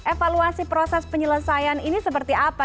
evaluasi proses penyelesaian ini seperti apa